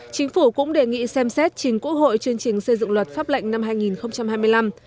chính phủ cũng đề nghị xem xét chính quốc hội chương trình xây dựng luật pháp lệnh năm hai nghìn hai mươi năm